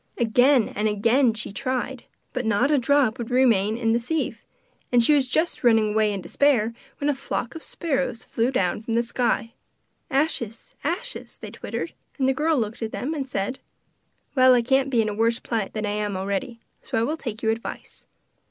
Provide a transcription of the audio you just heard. Again and again she tried, but not a drop would remaining in the sieve, and she was just turning away in despair when a flock of sparrows flew down from the sky. 'Ashes! ashes!' they twittered; and the girl looked at them and said: 'Well, I can't be in a worse plight than I am already, so I will take your advice.